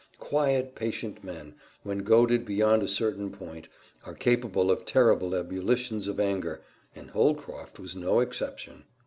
Quiet, patient men, when goaded beyond a certain point, are capable of terrible ebullitions of anger, and Holcroft was no exception.